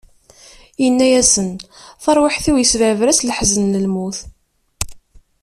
Inna-asen: Taṛwiḥt-iw, isberber-as leḥzen n lmut.